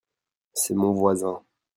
C'est mon voisin.